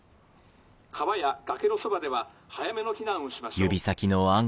川や崖のそばでは早めの避難をしましょう。